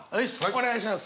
お願いします。